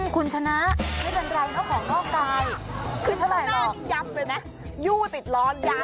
คุณชนะไม่เป็นไรเนอะของนอกกาย